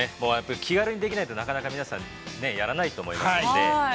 気軽にできないと、なかなか皆さん、やらないと思いますんで。